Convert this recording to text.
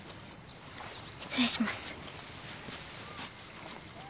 失礼します。